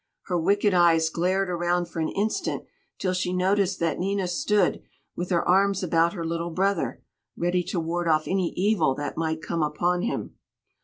Her wicked eyes glared around for an instant till she noticed that Nina stood, with her arms about her little brother, ready to ward off any evil that might come upon him.